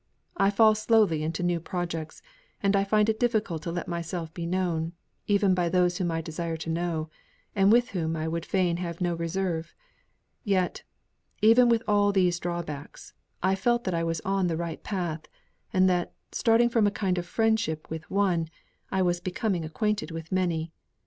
I fall slowly into new projects; and I find it difficult to let myself be known, even by those whom I desire to know, and with whom I would fain have no reserve. Yet, even with all these drawbacks, I felt that I was on the right path, and that, starting from a kind of friendship with one, I was becoming acquainted with many.